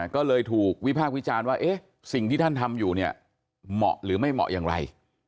ก็เลยถูกวิพากษ์วิจารณ์ว่าสิ่งที่ท่านทำอยู่เนี่ยเหมาะหรือไม่เหมาะอย่างไร